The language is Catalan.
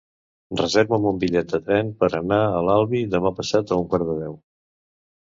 Reserva'm un bitllet de tren per anar a l'Albi demà passat a un quart de deu.